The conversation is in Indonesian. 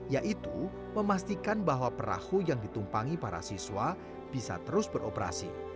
yaitu memastikan bahwa perahu yang ditumpangi para siswa bisa terus beroperasi